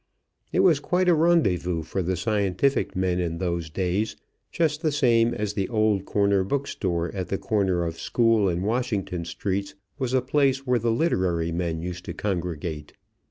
It was quite a rendezvous for the scientific men in those days, just the same as the Old Corner Bookstore at the corner of School and Washington Streets was a place where the literary men used to congregate.